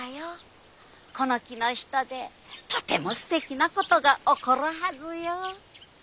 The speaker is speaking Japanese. この樹の下でとてもすてきなことが起こるはずよ。